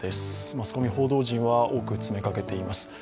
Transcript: マスコミ、報道陣が多く詰めかけています。